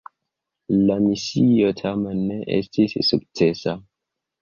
La misio tamen ne estis sukcesa.